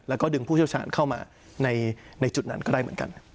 แล้วก็ดึงผู้เชี่ยวชาญเข้ามาในจุดนั้นก็ได้เหมือนกัน